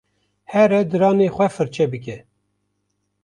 Here diranên xwe firçe bike.